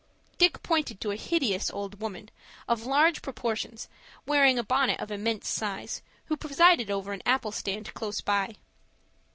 Dick pointed to a hideous old woman, of large proportions, wearing a bonnet of immense size, who presided over an apple stand close by.